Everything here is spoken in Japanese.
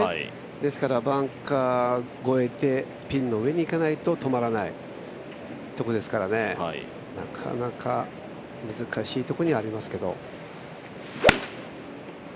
ですからバンカー越えてピンの上に行かないと止まらないとこですからなかなか難しいところにはありますけれども。